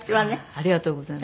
ありがとうございます。